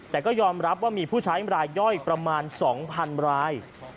แต่ก็ยอมรับว่ามีผู้ใช้รายย่อยประมาณ๒๐๐๐ราย